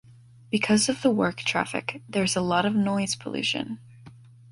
Because of the work traffic, there is a lot of noise pollution.